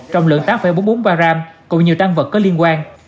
trọng lượng tám bốn trăm bốn mươi ba gram cùng nhiều tăng vật có liên quan